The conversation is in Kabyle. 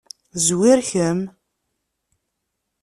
Zwir kemm.